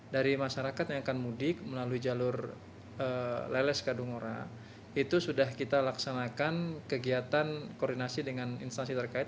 dari masyarakat yang akan mudik melalui jalur leles kadungora itu sudah kita laksanakan kegiatan koordinasi dengan instansi terkait